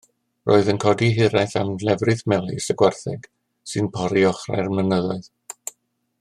Roedd yn codi hiraeth am lefrith melys y gwartheg sy'n pori ochrau mynyddoedd.